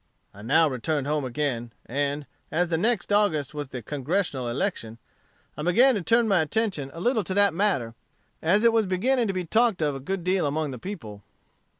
I now returned home again, and, as the next August was the Congressional election, I began to turn my attention a little to that matter, as it was beginning to be talked of a good deal among the people."